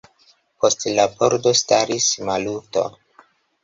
Post la pordo staris Maluto.